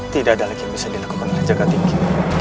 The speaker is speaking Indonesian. tidak ada lagi yang bisa dilakukan oleh jaga tinggi